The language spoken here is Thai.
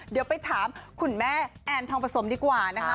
เดี๋ยวไปถามคุณแม่แอนทองผสมดีกว่านะคะ